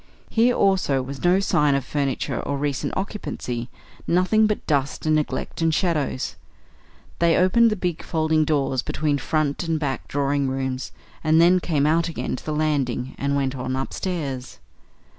Here also was no sign of furniture or recent occupancy; nothing but dust and neglect and shadows. They opened the big folding doors between front and back drawing rooms and then came out again to the landing and went on upstairs.